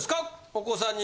お子さんに。